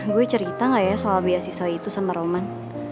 gue cerita gak ya soal beasiswa itu sama roman